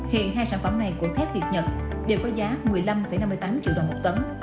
hiện hai sản phẩm này của thép việt nhật đều có giá một mươi năm năm mươi tám triệu đồng một tấn